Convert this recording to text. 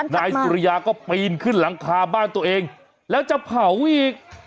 นายสุริยาก็ปีนขึ้นหลังคาบ้านตัวเองแล้วจะเผาอีก